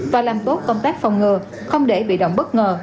và làm tốt công tác phòng ngừa không để bị động bất ngờ